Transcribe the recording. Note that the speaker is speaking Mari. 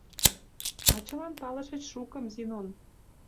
Тачылан палышыч шукым, Зинон.